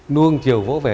nuông chiều vỗ vẻ